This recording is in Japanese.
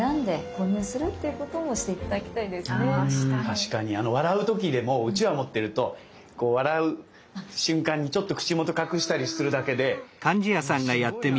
確かに笑う時でもうちわを持ってるとこう笑う瞬間にちょっと口元隠したりするだけでもうすごいなんか。